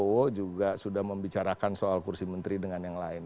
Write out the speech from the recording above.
pak prabowo juga sudah membicarakan soal kursi menteri dengan yang lain